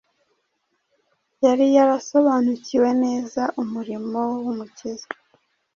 yari yarasobanukiwe neza umurimo w’Umukiza,